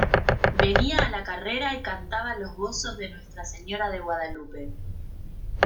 venía a la carrera y cantaba los gozos de Nuestra Señora de Guadalupe.